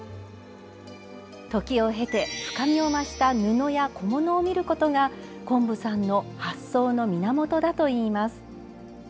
時を経て深みを増した布や小物を見ることが昆布さんの発想の源だといいます。